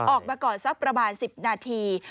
ออกมาก่อนสักประมาณ๑๐นาที